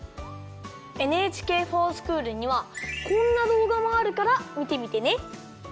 ＮＨＫｆｏｒＳｃｈｏｏｌにはこんなどうがもあるからみてみてね。